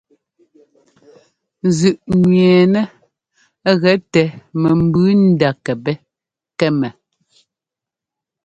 Zʉꞌnẅɛɛnɛ́ gɛ tɛ mɛmbʉʉ ndá kɛpɛ́ kɛ́mɛ.